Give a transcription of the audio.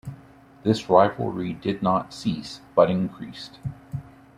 This rivalry did not cease but increased.